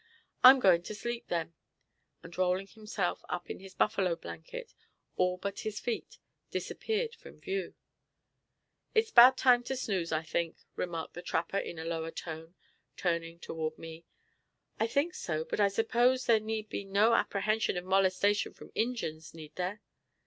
"I'm goin' to sleep then," and rolling himself up in his buffalo blanket, all but his feet, disappeared from view. "It's 'bout time to snooze, I think," remarked the trapper, in a lower tone, turning toward me. "I think so, but I suppose there need be no apprehension of molestation from Injins, need there?"